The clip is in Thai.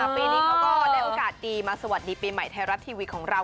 ปีนี้เขาก็ได้โอกาสดีมาสวัสดีปีใหม่ไทยรัฐทีวีของเรา